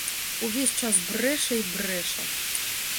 Увесь час брэша і брэша.